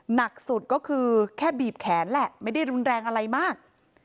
หนักสุดก็คือแค่บีบแขนแหละไม่ได้รุนแรงอะไรมาก